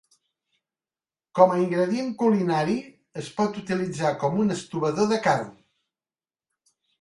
Com a ingredient culinari es pot utilitzar com un estovador de carn.